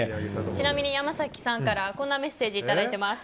ちなみに山崎さんからこんなメッセージをいただいています。